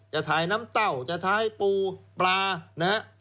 จะทายน้ำเต้าจะทายปูปลา